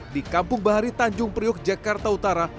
di kampung bahari tanjung priok jakarta utara